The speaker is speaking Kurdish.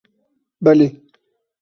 Belê.